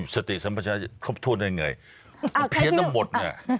สติสัมปัชญาครบถ้วนยังไงเพี้ยนต้องหมดเนี่ย